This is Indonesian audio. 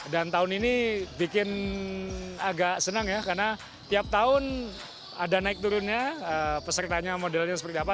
dan tahun ini bikin agak senang ya karena tiap tahun ada naik turunnya pesertanya modelnya seperti apa